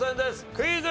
クイズ。